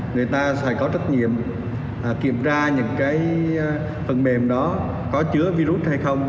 người ta sẽ có trách nhiệm kiểm tra những cái phần mềm đó có chứa virus hay không